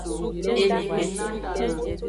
Elime.